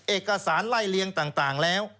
เอกสารไล่เลี้ยงต่างแล้ว